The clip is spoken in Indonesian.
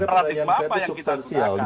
terhadap apa yang kita usahakan